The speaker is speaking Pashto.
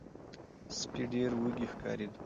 سپی ډیر وږی ښکاریده.